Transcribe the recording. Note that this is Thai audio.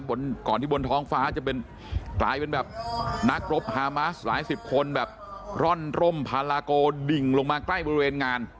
ก่อนที่บนท้องฟ้าจะเป็นกลายเป็นแบบนักรบฮามาสหลายสิบคนแบบร่อนร่มพาราโกดิ่งลงมาใกล้บริเวณงาน